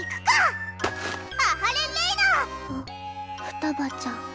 ふたばちゃん。